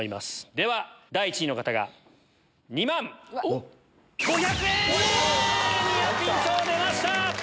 では第１位の方が２万５００円！ニアピン賞出ました！